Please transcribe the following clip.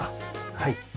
はい。